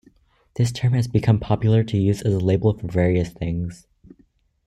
This term has become popular to use as a label for various things.